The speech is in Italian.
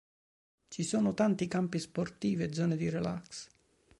Ci sono tanti campi sportivi e zone di relax.